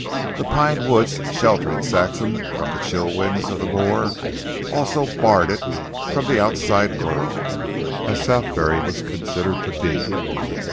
The pine woods, sheltering Saxham from the chill winds of the moor, also barred it from the outside world, as Southberry was considered to be.